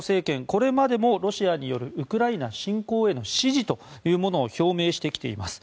これまでもロシアによるウクライナ侵攻への支持というものを表明してきています。